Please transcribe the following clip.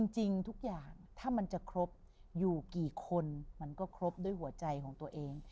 จริงทุกอย่างถ้ามันจะครบอยู่กี่คนมันก็ครบด้วยหัวใจของตัวเอง